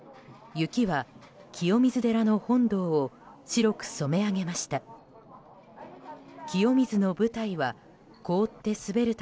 雪は清水寺の本堂を白く染め上げました。